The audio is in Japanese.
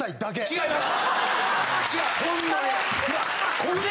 違います